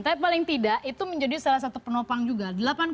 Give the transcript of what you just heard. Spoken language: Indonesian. tapi paling tidak itu menjadi salah satu penopang juga